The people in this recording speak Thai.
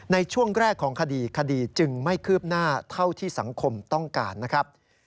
ในช่วงแรกของคดีคดีจึงไม่คืบหน้าเท่าที่สังคมต้องการนะครับ